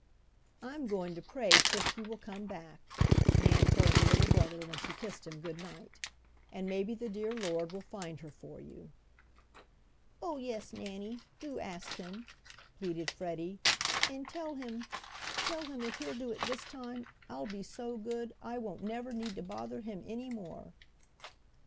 "I'm goin' to pray Frisky will come back," Nan told her little brother when she kissed him good night, "and maybe the dear Lord will find her for you." "Oh, yes, Nannie, do ask Him," pleaded Freddie, "and tell Him tell Him if He'll do it this time, I'll be so good I won't never need to bother Him any more."